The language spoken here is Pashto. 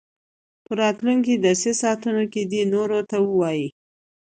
په راتلونکي درسي ساعت کې دې نورو ته ووايي.